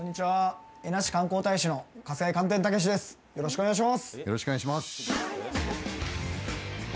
よろしくお願いします！